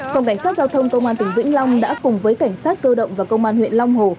phòng cảnh sát giao thông công an tỉnh vĩnh long đã cùng với cảnh sát cơ động và công an huyện long hồ